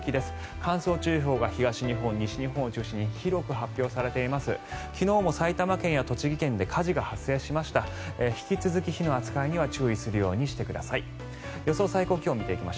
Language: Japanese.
乾燥注意報が東日本、西日本を中心に広く発表されています。